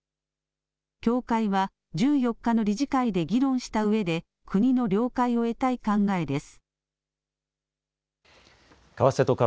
協会は１４日の理事会で議論したうえで国の了解を得たい考えです。